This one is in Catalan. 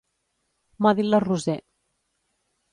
M'ho ha dit la Roser.